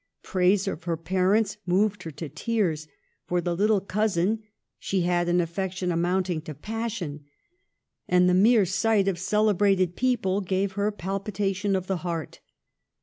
Praise of her par ents moved her to tears ; for the little cousin she had an affection amounting to passion ; and the mere sight of celebrated people gave her palpita tion of the heart.